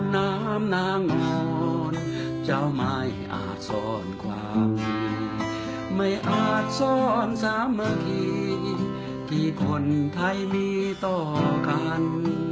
น้ำน้ำน้องศรจะไม่อาจซ่อนความมีไม่อาจซ่อนสามกิที่คนไทยมีต่อกัน